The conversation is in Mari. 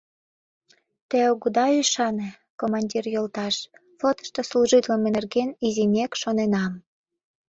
— Те огыда ӱшане, командир йолташ, флотышто служитлыме нерген изинек шоненам.